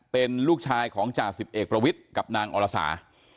เป็นลูกชายของจ่าสิบเอกประวิทย์กับนางอรสา